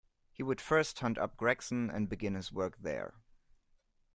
He would first hunt up Gregson and begin his work there.